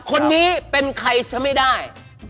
คนนี้เป็นใครซะไม่ได้